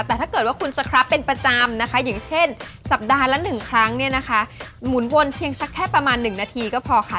แต่ถ้าเกิดว่าคุณสครับเป็นประจำนะคะอย่างเช่นสัปดาห์ละ๑ครั้งเนี่ยนะคะหมุนวนเพียงสักแค่ประมาณ๑นาทีก็พอค่ะ